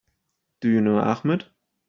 Do you know Ahmed?